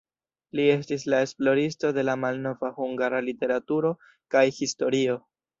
Li estis la esploristo de la malnova hungara literaturo kaj historio.